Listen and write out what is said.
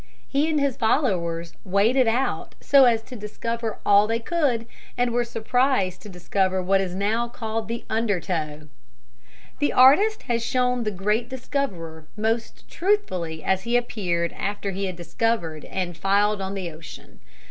He and his followers waded out so as to discover all they could, and were surprised to discover what is now called the undertow. [Illustration: BALBOA DRYING HIS CLOTHES.] The artist has shown the great discoverer most truthfully as he appeared after he had discovered and filed on the ocean.